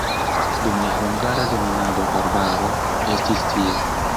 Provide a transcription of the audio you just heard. Dum la hungara dominado arbaro estis tie.